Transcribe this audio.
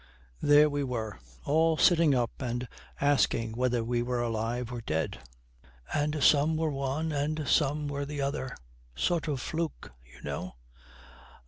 There we were, all sitting up and asking whether we were alive or dead; and some were one, and some were the other. Sort of fluke, you know.'